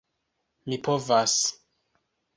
Mi povas.